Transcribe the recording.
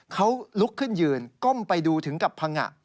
เขาลุกขึ้นยืนก้มไปดูถึงกับพังงะ